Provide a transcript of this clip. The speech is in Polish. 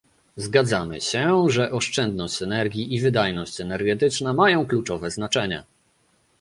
Zgadzamy się, że oszczędność energii i wydajność energetyczna mają kluczowe znaczenie